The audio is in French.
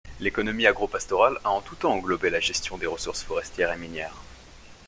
L'économie agro-pastorale a en tous temps englobé la gestion des ressources forestières et minières.